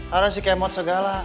ada si kemot segala